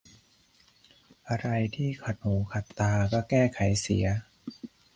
อะไรที่ขัดหูขัดตาก็แก้ไขเสีย